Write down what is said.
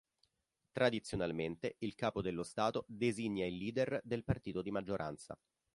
Tradizionalmente, il capo dello Stato designa il leader del partito di maggioranza.